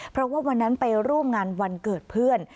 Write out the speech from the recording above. เพราะว่าวันนั้นไปร่วมงานวันเกิดเพื่อน